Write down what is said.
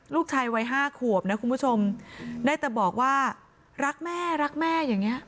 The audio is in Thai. ลูกชายวัยห้าขวบนะคุณผู้ชมได้แต่บอกว่ารักแม่รักแม่อย่างเงี้